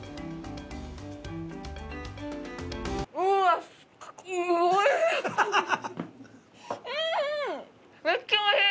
◆うわっ、おいしい。